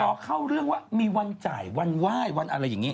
เข้าเรื่องว่ามีวันจ่ายวันไหว้วันอะไรอย่างนี้